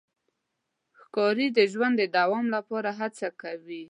ښکاري د ژوند د دوام لپاره هڅه کوي.